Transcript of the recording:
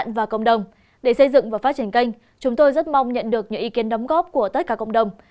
và cộng đồng để xây dựng và phát triển kênh chúng tôi rất mong nhận được những ý kiến đóng góp của tất cả cộng đồng